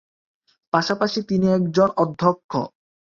পাশাপাশি তিনি একজন অধ্যক্ষ।